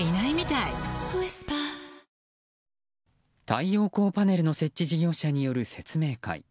太陽光パネルの設置事業者による説明会。